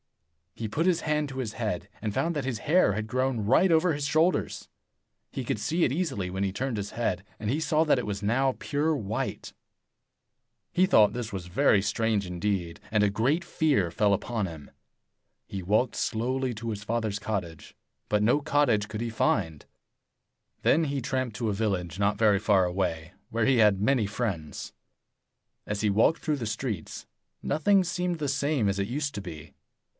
He put his hand to his head, and found that his hair had grown right over his shoulders. He could see it easily when he turned his head, and he saw that it was now pure white. He thought this very strange indeed, and a great fear fell upon him. He walked slowly to 84 his father's cottage, but no cottage could he find. Then he tramped to a village not very far away, where he had many friends. 85 As he walked through the streets, nothing seemed the same as it used to be.